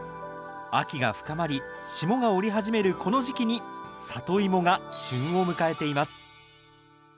秋が深まり霜が降り始めるこの時期にサトイモが旬を迎えています。